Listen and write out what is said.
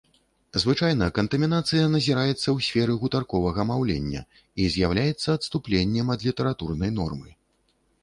Звычайна, кантамінацыя назіраецца ў сферы гутарковага маўлення і з'яўляецца адступленнем ад літаратурнай нормы.